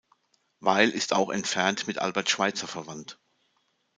Weil ist auch entfernt mit Albert Schweitzer verwandt.